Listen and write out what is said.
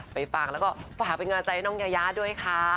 ไปฟังแล้วก็ฝากเป็นงานใจให้น้องยายาด้วยค่ะ